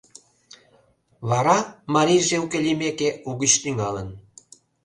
Вара, марийже уке лиймеке, угыч тӱҥалын.